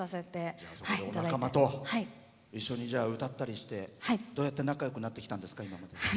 仲間と一緒に歌ったりしてどうやって仲よくなってきたんですか？